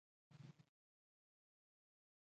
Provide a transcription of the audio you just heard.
کندهاری مولانا او د دې کتاب دوه جلا کسان دي.